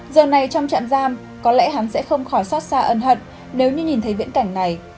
giờ này trong trạm giam có lẽ hắn sẽ không khỏi xót xa ân hận nếu như nhìn thấy viễn cảnh này